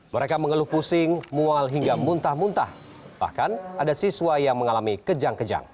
mereka mengeluh pusing mual hingga muntah muntah bahkan ada siswa yang mengalami kejang kejang